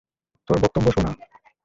তোর বক্তব্য শুনা।